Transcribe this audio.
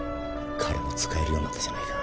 彼も使えるようになったじゃないか。